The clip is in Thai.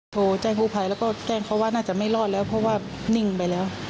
โทรแจ้งกู้ภัยแล้วก็แจ้งเขาว่าน่าจะไม่รอดแล้วเพราะว่านิ่งไปแล้ว